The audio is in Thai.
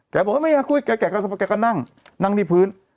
แกบอกไม่อยากคุยแกก็นั่งนั่งที่พื้น